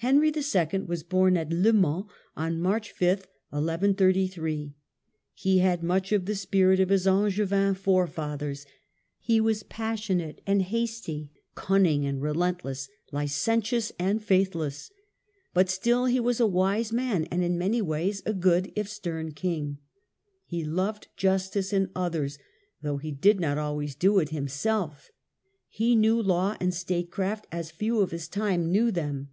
Henry II. was born at Le Mans on March 5, 11 33. He had much of the spirit of his Angevin forefathers. (M78) HENRY OF ANJOU. I7 He was passionate and hasty, cunning and relentless, licentious and faithless. But still he was a wise man, and in many ways a good if stem king. He Henry of loved justice in others, though he did not ^"^Jo" always do it himself. He knew law and statecraft as few of his time knew them.